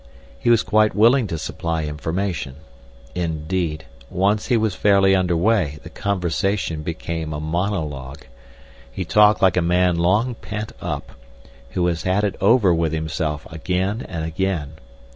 He was quite willing to supply information. Indeed, once he was fairly under way the conversation became a monologue. He talked like a man long pent up, who has had it over with himself again and again.